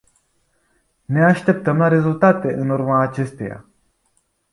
Ne așteptăm la rezultate în urma acesteia.